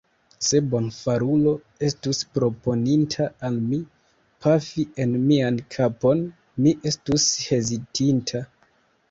Se bonfarulo estus proponinta al mi, pafi en mian kapon, mi estus hezitinta.